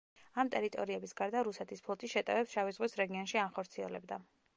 ამ ტერიტორიების გარდა რუსეთის ფლოტი შეტევებს შავი ზღვის რეგიონში ანხორციელებდა.